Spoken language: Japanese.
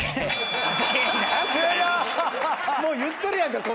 もう言ってるやんか答え。